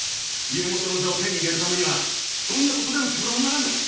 家元の座を手に入れるためにはどんなことでもする女なんだ！！